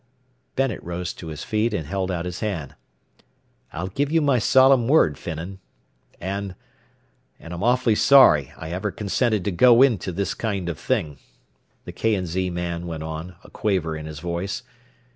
Bennet rose to his feet and held out his hand. "I'll give you my solemn word, Finnan. "And and I'm awfully sorry I ever consented to go into this kind of thing," the K. & Z. man went on, a quaver in his voice.